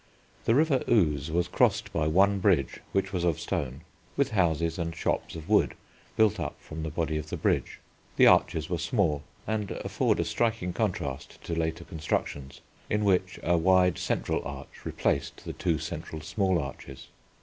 The River Ouse was crossed by one bridge, which was of stone, with houses and shops of wood built up from the body of the bridge. The arches were small, and afford a striking contrast to the later constructions, in which a wide central arch replaced the two central small arches.